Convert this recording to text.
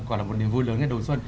quả là một niềm vui lớn nghe đồn xuân